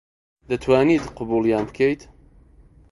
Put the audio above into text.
دەتوانیت قبووڵیان بکەیت